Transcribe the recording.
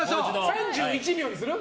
３１秒にする？